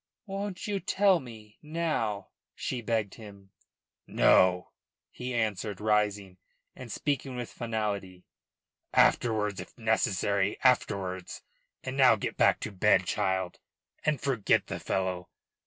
"Won't you tell me now?" she begged him. "No," he answered, rising, and speaking with finality. "Afterwards if necessary, afterwards. And now get back to bed, child, and forget the fellow.